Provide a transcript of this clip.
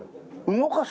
動かす？